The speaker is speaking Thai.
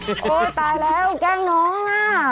โอ้โหตายแล้วแกล้งน้องอ่ะ